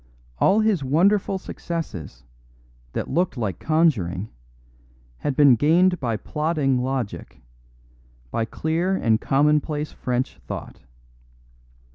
All his wonderful successes, that looked like conjuring, had been gained by plodding logic, by clear and commonplace French thought.